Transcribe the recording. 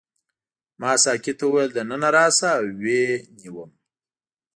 ما ساقي ته وویل دننه راشه او ویې نیوم.